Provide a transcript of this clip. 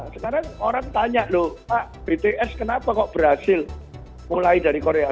sekarang orang tanya loh pak bts kenapa kok berhasil mulai dari korea